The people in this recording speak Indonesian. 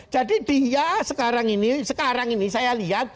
jadi dia sekarang ini sekarang ini saya lihat